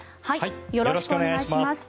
よろしくお願いします。